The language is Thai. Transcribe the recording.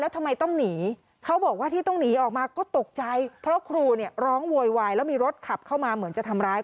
ทำไมต้องหนีเขาบอกว่าที่ต้องหนีออกมาก็ตกใจเพราะครูเนี่ยร้องโวยวายแล้วมีรถขับเข้ามาเหมือนจะทำร้าย